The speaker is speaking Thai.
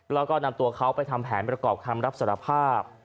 แล้วก็นำตัวเขาไปทำแผนประกอบคำรับสารภาพ